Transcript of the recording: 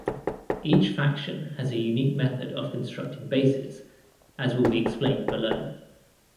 Each faction has a unique method of constructing bases, as will be explained below.